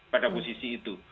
pada posisi itu